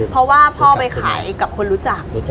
เพราะว่าพ่อไปขายกับคนรู้จัก